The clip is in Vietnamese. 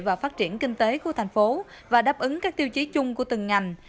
và phát triển kinh tế của thành phố và đáp ứng các tiêu chí chung của từng ngành